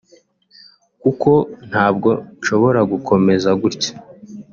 kuko ntabwo nshobora gukomeza gutya